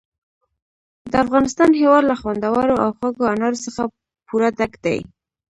د افغانستان هېواد له خوندورو او خوږو انارو څخه پوره ډک دی.